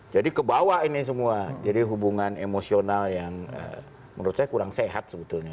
jadi kebawah ini semua jadi hubungan emosional yang menurut saya kurang sehat sebetulnya